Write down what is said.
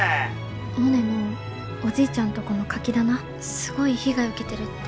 モネのおじいちゃんとこのカキ棚すごい被害受けてるって。